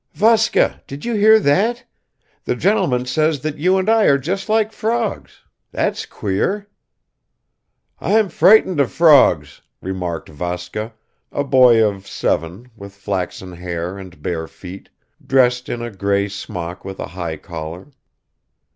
"Vaska, did you hear that? The gentleman says that you and I are just like frogs; that's queer." "I'm frightened of frogs," remarked Vaska, a boy of seven with flaxen hair and bare feet, dressed in a grey smock with a high collar.